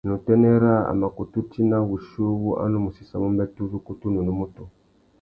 Nà utênê râā, a mà kutu tina wuchi uwú a nu mù séssamú umbêtê uzu ukutu nà unúmútú.